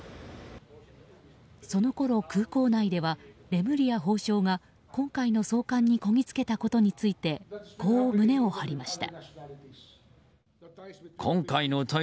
そのころ、空港内ではレムリヤ法相が今回の送還にこぎつけたことについてこう胸を張りました。